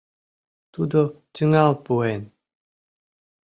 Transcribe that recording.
Тудо тӱҥал пуэн.